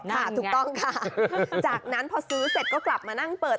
ถูกต้องค่ะจากนั้นพอซื้อเสร็จก็กลับมานั่งเปิด